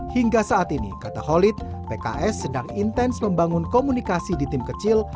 hingga saat ini kata holid pks sedang intens membangun komunikasi di tim kecil